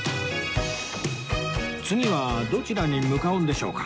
次はどちらに向かうんでしょうか？